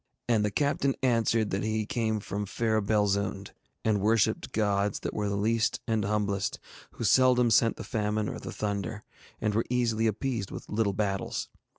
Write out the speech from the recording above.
And the captain answered that he came from fair Belzoond, and worshipped gods that were the least and humblest, who seldom sent the famine or the thunder, and were easily appeased with little battles.